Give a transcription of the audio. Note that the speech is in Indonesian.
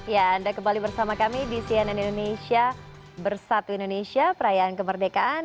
ya anda kembali bersama kami di cnn indonesia bersatu indonesia perayaan kemerdekaan